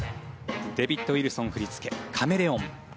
デビッド・ウィルソン振り付け、「カメレオン」